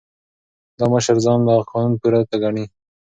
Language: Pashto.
دا مشر ځان له قانون پورته ګڼي.